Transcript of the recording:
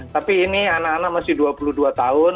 tapi ini anak anak masih dua puluh dua tahun